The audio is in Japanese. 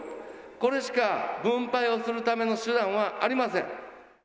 これしか、分配をするための手段はありません。